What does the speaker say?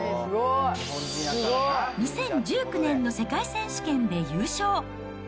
２０１９年の世界選手権で優勝。